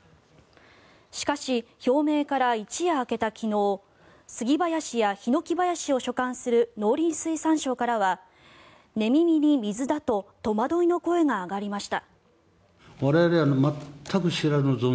しかし、表明から一夜明けた昨日杉林やヒノキ林を所管する農林水産省からは寝耳に水だと戸惑いの声が上がりました。